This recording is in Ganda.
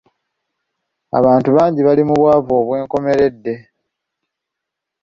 Abantu bangi bali mu bwavu obw'enkomeredde.